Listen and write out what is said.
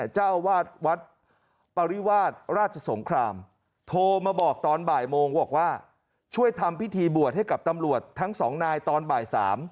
ช่วยทำพิธีบวชให้กับตำรวจทั้งสองนายตอนบ่าย๓